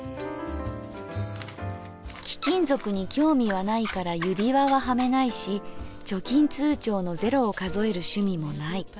「貴金属に興味はないから指輪ははめないし貯金通帳の０を数える趣味もない。